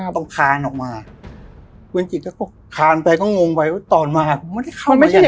ต้องคานออกมาคุณจิตก็คานไปก็งงไปว่าตอนมากูไม่ได้เข้ามาอย่างนี้